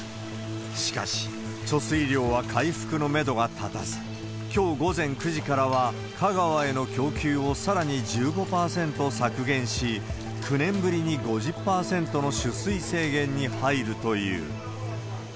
しかし、貯水量は回復のめどが立たず、きょう午前９時からは、香川への供給をさらに１５％削減し、９年ぶりに５０％の取水制限に入るという。